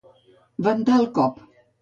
Ventar el cop.